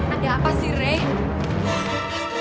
ada apa sih rey